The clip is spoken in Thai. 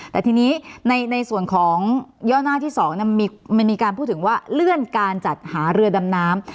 แต่ทีนี้ในส่วนของย่อหน้าที่๒มันมีการพูดถึงว่าเลื่อนการจัดหาเรือดำน้ำ